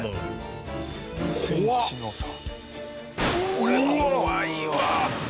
これ怖いわ。